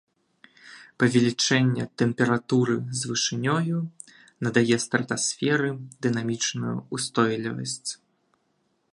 Павелічэнне тэмпературы з вышынёю надае стратасферы дынамічную ўстойлівасць.